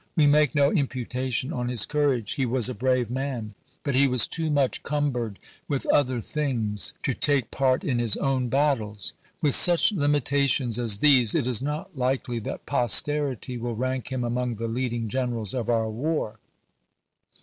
We make no imputation on his courage ; he was a brave man ; but he was too much cumbered with other things to take part in his own battles. With such limitations as these it is not likely that posterity will rank him among the leading generals of our war.